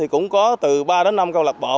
cũng có từ ba đến năm câu lạc bộ